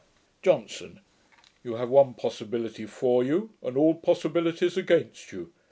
JOHNSON. 'You have one possibility for you, and all possibilities against you.